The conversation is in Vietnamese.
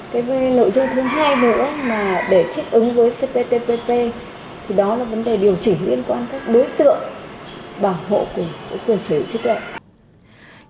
cái nội dung thứ hai nữa là để thích ứng với cptpp thì đó là vấn đề điều chỉnh liên quan các đối tượng bảo hộ quyền sở hữu trí tuệ